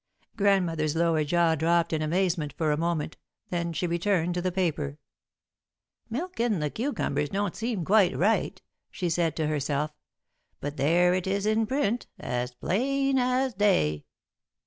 Grandmother's lower jaw dropped in amazement for a moment, then she returned to the paper. "Milkin' the cucumbers don't seem quite right," she said to herself, "but there it is in print, as plain as day."